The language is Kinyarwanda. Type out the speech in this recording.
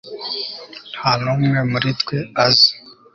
nta n'umwe muri twe azi